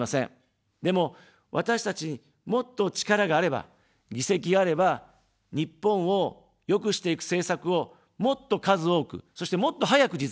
でも、私たちに、もっと力があれば、議席があれば、日本を良くしていく政策を、もっと数多く、そして、もっと早く実現できます。